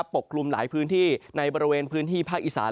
กลุ่มหลายพื้นที่ในบริเวณพื้นที่ภาคอีสาน